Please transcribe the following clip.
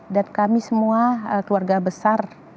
dan kami semua keluarga besar